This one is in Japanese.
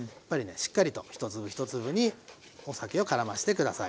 しっかりと一粒一粒にお酒を絡ませて下さい。